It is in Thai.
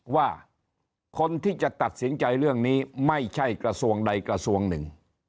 ว่าคนที่จะตัดสินใจเรื่องนี้ไม่ใช่กระทรวงใดกระทรวงหนึ่ง